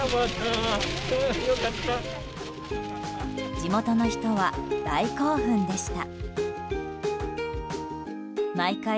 地元の人は大興奮でした。